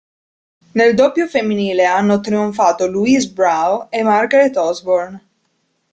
Nel doppio femminile hanno trionfato Louise Brough e Margaret Osborne.